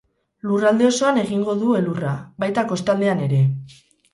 Lurralde osoan egingo du elurra, baita kostaldean ere.